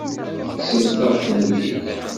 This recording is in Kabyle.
Tekksem-aɣ-tent-id.